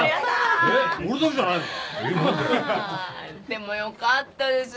でもよかったです。